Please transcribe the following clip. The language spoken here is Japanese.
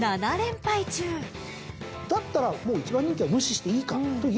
だったらもう１番人気は無視していいかといえば。